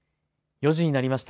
４時になりました。